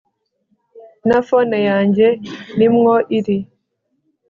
na phone yanjye nimwo iri